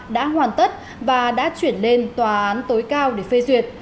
đã hoàn tất và đã chuyển lên tòa án tối cao để phê duyệt